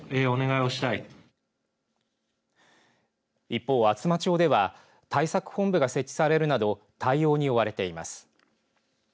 一方、厚真町では対策本部が設置されるなど対応に追われています。